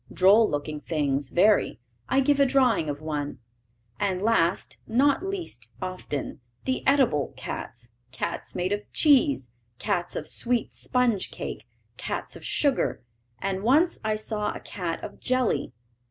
Droll looking things very. I give a drawing of one. And last, not least often, the edible cats cats made of cheese, cats of sweet sponge cake, cats of sugar, and once I saw a cat of jelly.